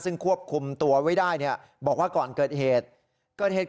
ซึ่งควบคุมตัวไว้ได้บอกว่าก่อนเกิดเหตุ